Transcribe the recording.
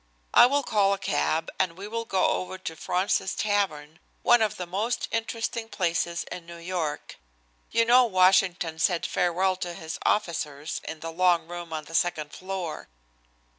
I will call a cab and we will go over to Fraunces's Tavern, one of the most interesting places in New York. You know Washington said farewell to his officers in the long room on the second floor."